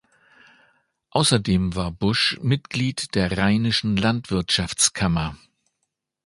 Außerdem war Busch Mitglied der rheinischen Landwirtschaftskammer.